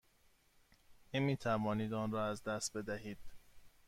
نمی توانید آن را از دست بدهید.